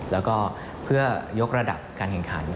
แล้วก็เพื่อยกระดับการแข่งขัน